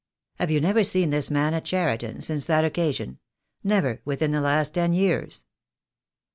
"Have you never seen this man at Cheriton since that occasion — never within the last ten years?"